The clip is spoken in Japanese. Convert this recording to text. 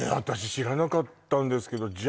私知らなかったんですけど